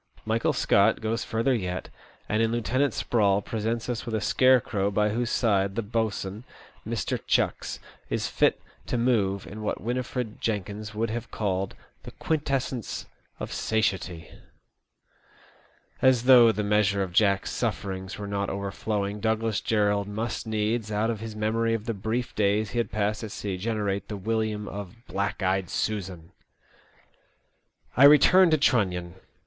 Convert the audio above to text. Michael Scott goes further yet, and in Lieutenant Sprawl presents us with a scarecrow by whose side the boatswain, Mr. Chucks, is fit to move in what Winifred Jenkins would have called the " quintassence of satiety." As though the measure of Jack's sufferings were not overflowing, Douglas Jerrold must needs, out of his memory of the brief days he had passed at sea, generate the William of " Black eyed Susan !" I return to Trunnion.